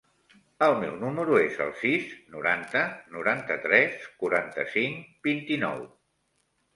El meu número es el sis, noranta, noranta-tres, quaranta-cinc, vint-i-nou.